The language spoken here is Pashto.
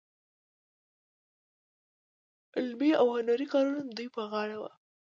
علمي او هنري کارونه د دوی په غاړه وو.